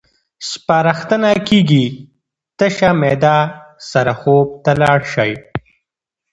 سپارښتنه کېږي تشه معده سره خوب ته لاړ شئ.